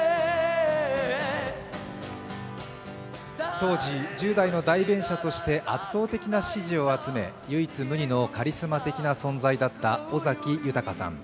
当時、１０代の代弁者として圧倒的な支持を集め唯一無二のカリスマ的な存在だった尾崎豊さん。